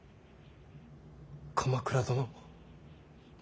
鎌倉殿。